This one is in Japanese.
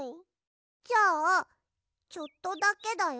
じゃあちょっとだけだよ。